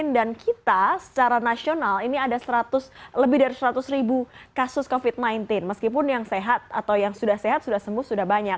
dan kita secara nasional ini ada lebih dari seratus ribu kasus covid sembilan belas meskipun yang sehat atau yang sudah sehat sudah sembuh sudah banyak